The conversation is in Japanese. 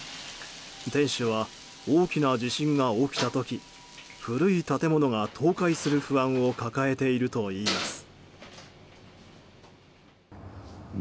店主は、大きな地震が起きた時古い建物が倒壊する不安を抱えているといいます。